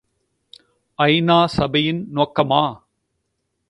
ஐ.நா. சபையின் நோக்கமா?